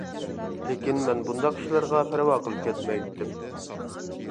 لېكىن مەن بۇنداق ئىشلارغا پەرۋا قىلىپ كەتمەيتتىم.